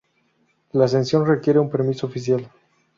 La ascensión requiere un permiso oficial.